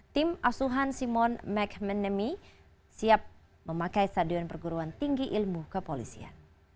tim asuhan simon mcmanamy siap memakai stadion perguruan tinggi ilmu kepolisian